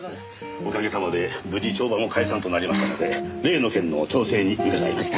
おかげさまで無事帳場も解散となりましたので例の件の調整に伺いました。